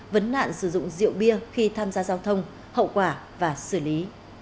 vấn nạn sử dụng rượu bia khi tham gia giao thông hậu quả và xử lý